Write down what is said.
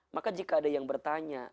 maka jika ada yang bertanya